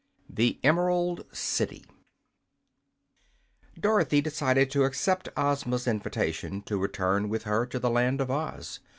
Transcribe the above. The Emerald City Dorothy decided to accept Ozma's invitation to return with her to the Land of Oz.